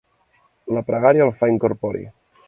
La pregària el fa incorpori.